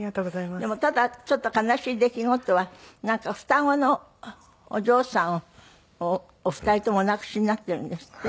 でもただちょっと悲しい出来事はなんか双子のお嬢さんをお二人ともお亡くしになっているんですって？